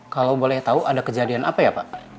kalau boleh tahu ada kejadian apa ya pak